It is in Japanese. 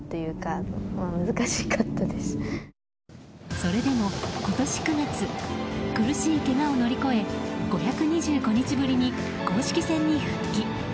それでも今年９月苦しいけがを乗り越え５２５日ぶりに公式戦に復帰。